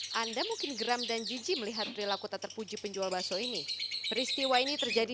hai anda mungkin geram dan jijik melihat perilaku tak terpuji penjual baso ini peristiwa ini terjadi